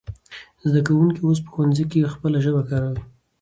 زده کوونکی اوس په ښوونځي کې خپله ژبه کارکوي.